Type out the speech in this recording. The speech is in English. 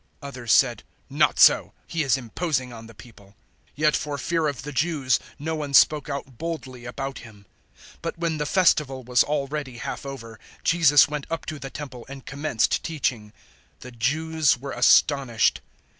Others said, "Not so: he is imposing on the people." 007:013 Yet for fear of the Jews no one spoke out boldly about Him. 007:014 But when the Festival was already half over, Jesus went up to the Temple and commenced teaching. 007:015 The Jews were astonished.